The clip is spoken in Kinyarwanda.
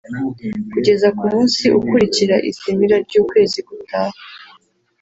kugeza ku munsi ukurikira izimira ry’ukwezi gutaha